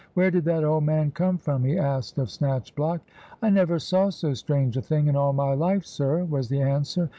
"Where did that old man come from?" he asked of Snatchblock. "I never saw so strange a thing in all my life, sir," was the answer.